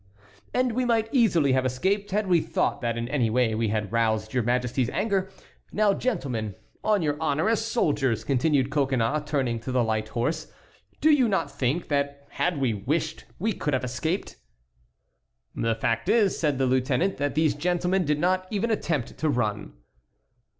"And we might easily have escaped had we thought that in any way we had roused your Majesty's anger. Now, gentlemen, on your honor as soldiers," continued Coconnas, turning to the light horse, "do you not think that had we so wished we could have escaped?" "The fact is," said the lieutenant, "that these gentlemen did not even attempt to run."